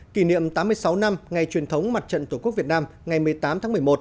kỷ niệm tám mươi sáu năm ngày truyền thống mặt trận tổ quốc việt nam ngày một mươi tám tháng một mươi một